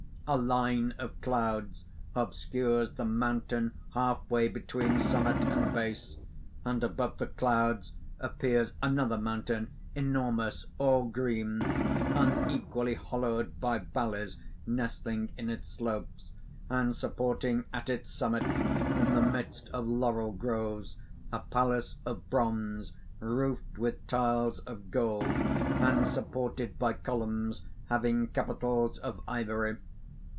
A line of clouds obscures the mountain half way between summit and base; and above the clouds appears another mountain, enormous, all green, unequally hollowed by valleys nestling in its slopes, and supporting at its summit, in the midst of laurel groves a palace of bronze, roofed with tiles of gold, and supported by columns having capitals of ivory.